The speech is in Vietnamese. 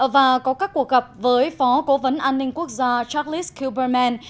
và có các cuộc gặp với phó cố vấn an ninh quốc gia charlis kuberman